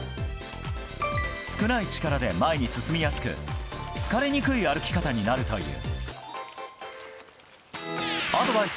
少ない力で前に進みやすく疲れにくい歩き方になるという。